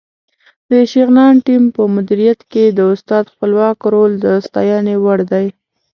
د شغنان ټیم په مدیریت کې د استاد خپلواک رول د ستاینې وړ دی.